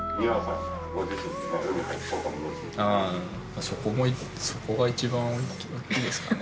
あそこが一番大きいですかね。